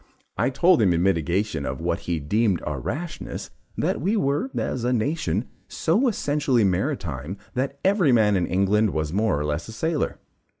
I told him in mitigation of what he deemed our rashness, that we were, as a nation, so essentially maritime, that every man in England was more or less a sailor.